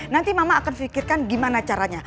nanti mama akan pikirkan gimana caranya